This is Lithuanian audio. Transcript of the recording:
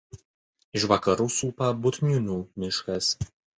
Iš vakarų supa Butniūnų miškas.